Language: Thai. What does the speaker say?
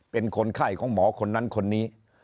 เป็นคนไข้ของหมอคนนั้นคนนี้